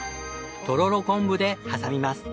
とろろ昆布で挟みます。